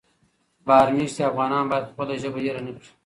بهر مېشتي افغانان باید خپله ژبه هېره نه کړي.